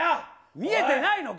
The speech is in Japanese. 見えてないのか。